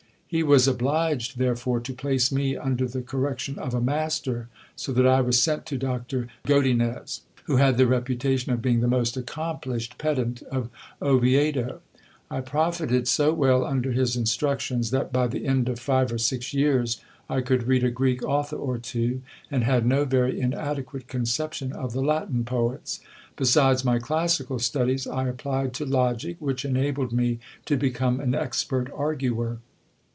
He was obliged therefore to place me under the correction of a master, so that I was sent to Doctor Godiuez, who had the reputation of being the most GIL BLAS. accomplished pedant of Oviedo. I profited so well under his instructions, that by the end of five or six years I could read a Greek author or two, and had no very inadequate conception of the Latin poets. Besides my classical studies, I applied to logic, which enabled me to become an expert arguer.